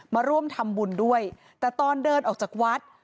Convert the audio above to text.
มาร่วมทำบุญด้วยแต่ตอนเดินออกจากวัด